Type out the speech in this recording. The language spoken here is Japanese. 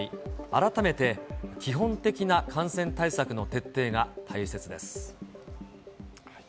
改めて、基本的な感染対策の徹底が大切です。